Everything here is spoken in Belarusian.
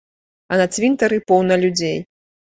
А на цвінтары поўна людзей.